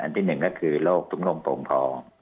อันที่๑ก็คือโรคตุ้มนมโผงพร